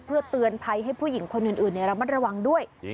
เพื่อเตือนภัยให้ผู้หญิงคนอื่นระมัดระวังด้วย